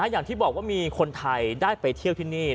อย่างที่บอกว่ามีคนไทยได้ไปเที่ยวที่นี่